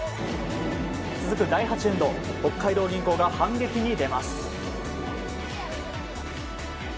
続く第８エンド北海道銀行が反撃に出ます。